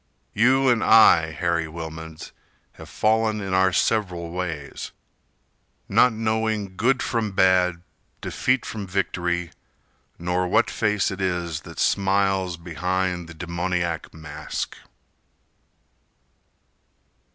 You and I, Harry Wilmans, have fallen In our several ways, not knowing Good from bad, defeat from victory, Nor what face it is that smiles Behind the demoniac mask.